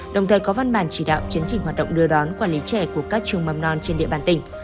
đồng thời có văn bản chỉ đạo chấn trình hoạt động đưa đón quản lý trẻ của các trường mầm non trên địa bàn tỉnh